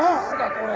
これ！